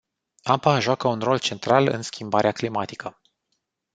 Apa joacă un rol central în schimbarea climatică.